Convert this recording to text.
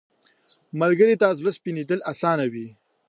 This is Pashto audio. ملګری ته زړه سپینېدل اسانه وي